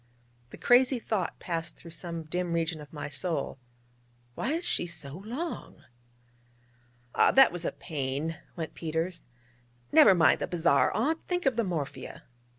The crazy thought passed through some dim region of my soul: 'Why is she so long?' 'Ah, that was a pain!' went Peters: 'never mind the bazaar, aunt think of the morphia.'